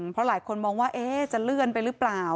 เพราะหลายคนมองว่าจะเลื่อนไปหรือเปล่า